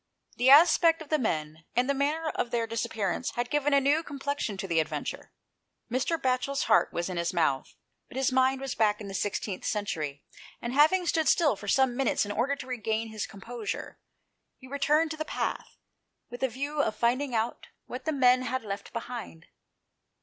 The aspect of the men, and the manner of their disappearance, had given a new complexion to the adventure. Mr. Batchel's heart was in his mouth, but his mind was back in the 16th century ; and having stood still for some minutes in order to regain his composure, he returned to the path, with a view of finding out what the men had left behind.